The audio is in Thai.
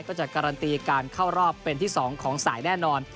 ก็จะการันตีการเข้ารอบเป็นที่๒ของสายแน่นอน